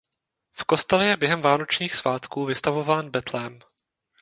V kostele je během vánočních svátků vystavován betlém.